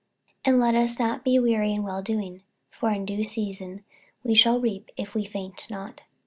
48:006:009 And let us not be weary in well doing: for in due season we shall reap, if we faint not.